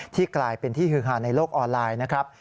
กลายเป็นที่ฮือฮาในโลกออนไลน์นะครับ